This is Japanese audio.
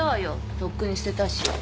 とっくに捨てたし。